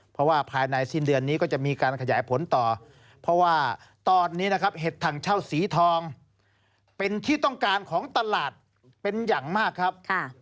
เพราะว่าภายในสิ้นเดือนนี้ก็จะมีการขยายผลต่อเพราะว่าตอนนี้นะครับเห็ดถังเช่าสีทองเป็นที่ต้องการของตลาดเป็นอย่างมากครับ